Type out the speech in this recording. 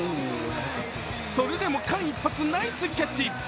それでも間一髪ナイスキャッチ！